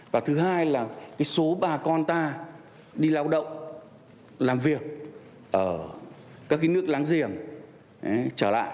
và thứ hai là số bà con ta đi lao động làm việc ở các nước láng giềng trở lại